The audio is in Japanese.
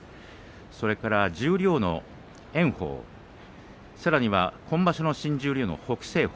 それから十両の炎鵬さらには今場所の新十両の北青鵬